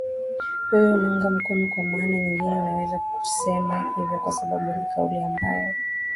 wewe unaunga mkono kwa maana nyingine naweza kusema hivyo kwa sababu ni kauli ambayo